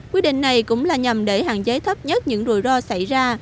quy định này cũng là nhằm để hạn chế thấp nhất những rủi ro xảy ra